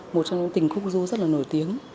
một trong những tình khúc du rất là nổi tiếng